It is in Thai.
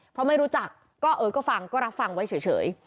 เพราะไม่รู้จักก็เออก็ฟังก็รับฟังไว้เฉย